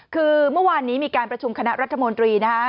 คือเมื่อวานนี้มีการประชุมคณะรัฐมนตรีนะฮะ